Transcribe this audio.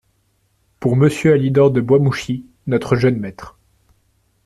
Pour Monsieur Alidor de Boismouchy, notre jeune maître…